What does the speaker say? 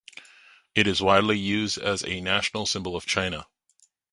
It is widely used as a national symbol of China.